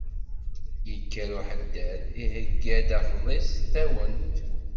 Yekker uḥeddad iheyya-d afḍis d tawent.